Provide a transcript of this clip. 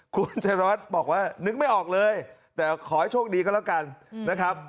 คุณชัยวัดบอกว่านึกไม่ออกเลยแต่ขอให้โชคดีก็แล้วกันนะครับ